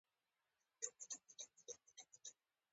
• د واورې مینځ کې لوبې ډېرې خوند کوي.